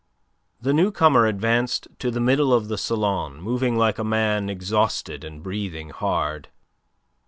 The newcomer advanced to the middle of the salon, moving like a man exhausted and breathing hard.